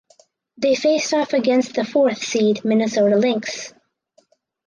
They faced off against the fourth seed Minnesota Lynx.